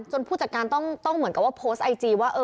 ผู้จัดการต้องเหมือนกับว่าโพสต์ไอจีว่า